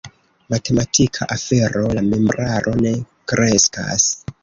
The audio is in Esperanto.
Matematika afero: la membraro ne kreskas.